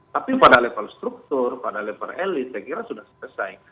tapi pada level struktur pada level elit saya kira sudah selesai